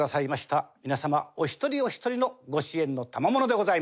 皆様お一人お一人のご支援のたまものでございます。